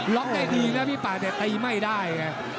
ล็อกได้ดีแหละพี่ป่าแต่ตีไม่ได้